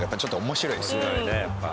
面白いねやっぱ。